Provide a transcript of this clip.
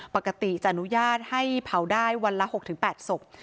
ปกติจะอนุญาตให้เผาได้วันละ๖๘ศพ